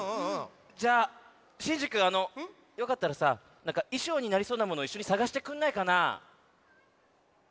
じゃシンジくんよかったらさなんかいしょうになりそうなものいっしょにさがしてくんないかな？